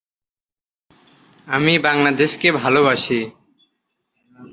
ঐতিহাসিক কাউন্টি এসেক্সের প্রতিনিধিত্বকারী দল এটি।